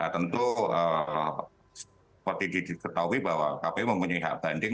tentu seperti diketahui bahwa kpu mempunyai hak banding